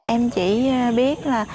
em chỉ biết là